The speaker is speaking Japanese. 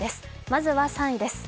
まずは３位です。